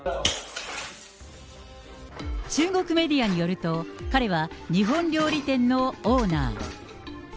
中国メディアによると、彼は日本料理店のオーナー。